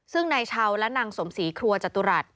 ซึ่งนายชาวและนางสมศรีครัวจตุรัส